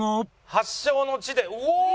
発祥の地でおーっ！